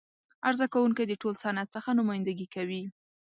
عرضه کوونکی د ټول صنعت څخه نمایندګي کوي.